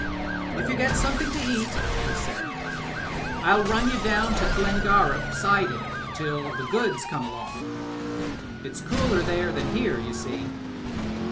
*'If you get something to eat," he said, "1*11 run you down to Glengariff siding till the goods comes along. It's cooler there than here, you see."